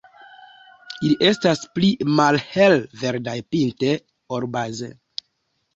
Ili estas pli malhel-verdaj pinte ol baze.